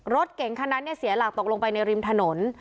รถเก่งคันนั้นเสียหลักตกลงไปในริมถนน